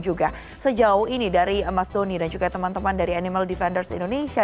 juga sejauh ini dari mas doni dan juga teman teman dari animal defenders indonesia